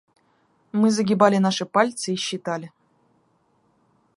Мы загибали наши пальцы и считали.